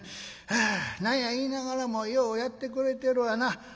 何や言いながらもようやってくれてるわな。